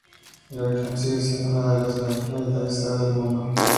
La región sigue siendo una de las más militarizadas del mundo.